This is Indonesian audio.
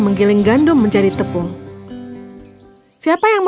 menggiling gandum menjadi tepung